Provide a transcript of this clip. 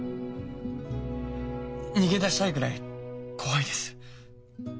逃げだしたいぐらい怖いです。